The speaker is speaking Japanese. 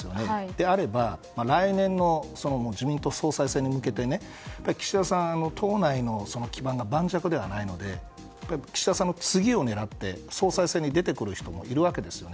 であれば来年の自民党総裁選に向けて岸田さんは党内の基盤が盤石ではないので岸田さんの次を狙って総裁選に出てくる人もいるわけですよね。